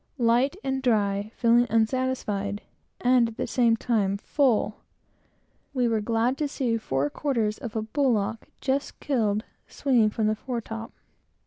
Light and dry, feeling unsatisfied, and, at the same time, full, we were glad to see four quarters of a bullock, just killed, swinging from the fore top.